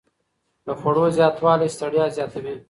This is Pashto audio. د خوړو زیاتوالی ستړیا زیاتوي.